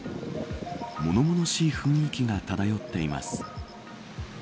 物々しい雰囲気が漂っています。